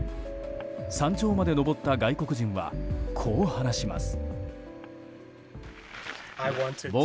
山頂まで登った外国人はこう話します。